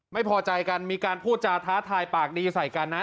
ไม่พอใจกันมีการพูดจาท้าทายปากดีใส่กันนะ